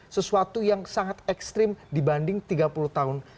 sesuatu yang sangat ekstrim dibanding tiga puluh tahun